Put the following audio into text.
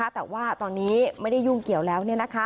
แต่ว่าตอนนี้ไม่ได้ยุ่งเกี่ยวแล้ว